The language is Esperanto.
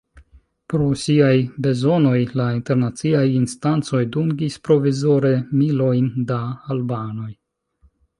Pro siaj bezonoj, la internaciaj instancoj dungis provizore milojn da albanoj.